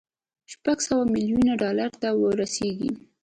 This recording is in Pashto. شپږ سوه ميليونه ډالر ته رسېږي.